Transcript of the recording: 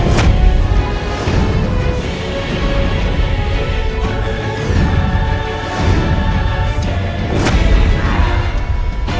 kau dengan jurus patriot matiga ke sepuluh